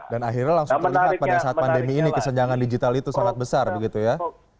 dan akhirnya langsung terlihat pada saat pandemi ini kesenjangan digital itu sangat besar begitu ya